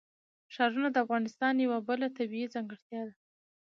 ښارونه د افغانستان یوه بله طبیعي ځانګړتیا ده.